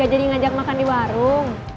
gak jadi ngajak makan di warung